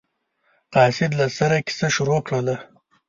قاصد له سره کیسه شروع کړله.